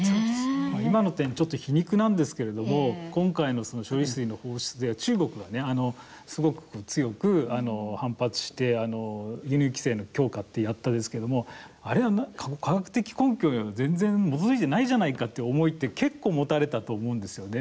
今の点、ちょっと皮肉なんですけれども今回の処理水の放出では中国が、すごく強く反発して輸入規制の強化ってやったんですけどもあれは科学的根拠に全然、基づいてないじゃないかって思いって結構、持たれたと思うんですよね。